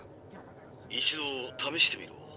一度ためしてみろ。